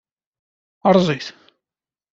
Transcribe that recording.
Erẓ-it.